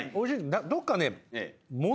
どっかね。